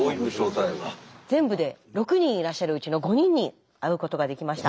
全部で６人いらっしゃるうちの５人に会うことができました。